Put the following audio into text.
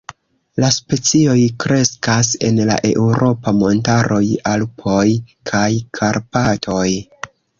La specioj kreskas en la eŭropa montaroj Alpoj kaj Karpatoj.